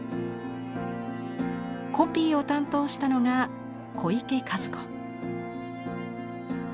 コピーを担当したのが小池一子。